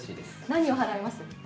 何を払います？